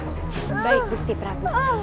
terima kasih raden